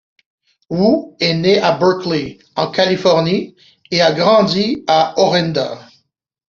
Wu est né à Berkeley, en Californie, et a grandi à Orinda.